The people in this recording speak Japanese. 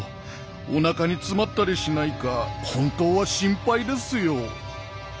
おなかに詰まったりしないか本当は心配ですよ。